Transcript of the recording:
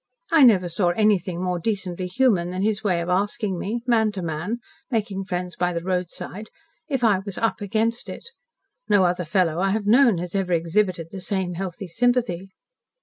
I never saw anything more decently human than his way of asking me man to man, making friends by the roadside if I was 'up against it.' No other fellow I have known has ever exhibited the same healthy sympathy."